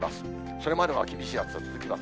それまでは厳しい暑さ続きます。